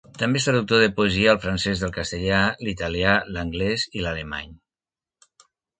També és traductor de poesia al francès del castellà, l'italià, l'anglès i l'alemany.